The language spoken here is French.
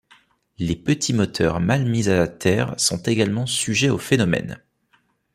Les petits moteurs mal mis à la terre sont également sujets au phénomène.